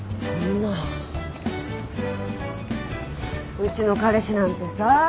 うちの彼氏なんてさ